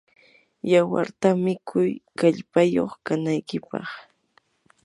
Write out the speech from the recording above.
yawarta mikuy kallpayuq kanaykipaq.